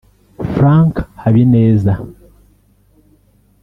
Frank Habineza